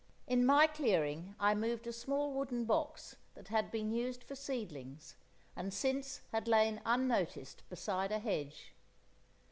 In my clearing I moved a small wooden box that had been used for seedlings, and since had lain unnoticed beside a hedge.